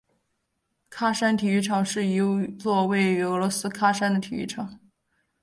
喀山体育场是一座位于俄罗斯喀山的体育场。